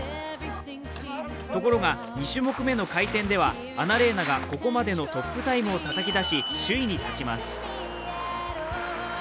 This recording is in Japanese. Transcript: ところが２種目目の回転ではアナレーナがここまでのトップタイムをたたき出し、首位に立ちます。